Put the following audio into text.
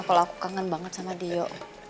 kalau aku kangen banget sama dio